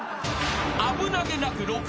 ［危なげなく６笑］